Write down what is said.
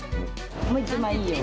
もう１枚いいよ。